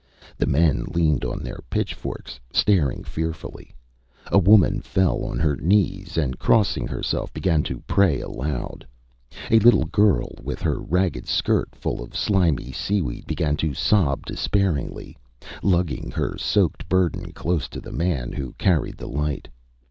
The men leaned on their pitchforks staring fearfully. A woman fell on her knees, and, crossing herself, began to pray aloud. A little girl with her ragged skirt full of slimy seaweed began to sob despairingly, lugging her soaked burden close to the man who carried the light.